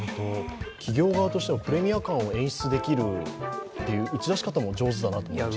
企業側としてもプレミア感を演出できる打ち出し感も上手だなと思います。